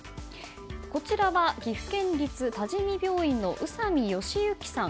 こちらは岐阜県立多治見病院の宇佐美欽通さん